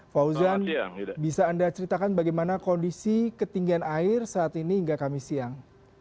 fauzan bisa anda ceritakan bagaimana kondisi ketinggian air saat ini hingga kamis siang